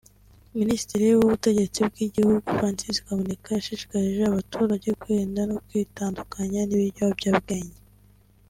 Minisitiri w’Ubutegetsi bw’Igihugu Francis Kaboneka yashishikarije abaturage kwirinda no kwitandukanya n’ibiyobyabwenge